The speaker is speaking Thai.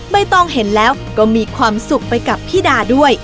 ไม่ต้องเห็นแล้วก็มีความสุขไปกับพี่ดาด้วย